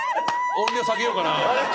音量下げようかな。